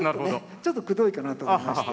ちょっとくどいかなと思いまして。